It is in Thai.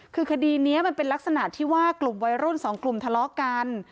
คือคดีนี้มันเป็นลักษณะที่ว่ากลุ่มวัยรุ่นสองกลุ่มทะเลาะกัน